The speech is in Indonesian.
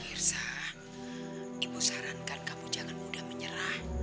irza ibu sarankan kamu jangan mudah menyerah